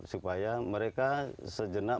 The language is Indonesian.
supaya mereka sejenak